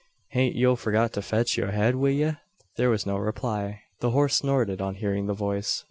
Hain't yo forgot to fetch yur head wi ye?" There was no reply. The horse snorted, on hearing the voice.